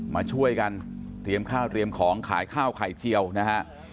มาช่วยกันเตรียมข้าวเตรียมของขายข้าวไข่เจียวนะฮะ